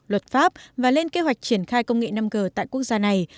luật pháp và lên kế hoạch triển khai công nghệ năm g tại quốc gia này